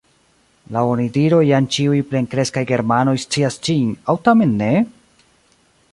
Laŭ onidiroj jam ĉiuj plenkreskaj germanoj scias ĝin – aŭ tamen ne?